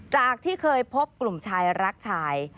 จากที่เคยพบกลุ่มชายรักชาย